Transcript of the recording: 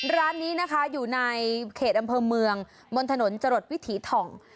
ร้านนี้นะคะอยู่ในเขตอำเภอเมืองบนถนนจรดวิถีถ่อง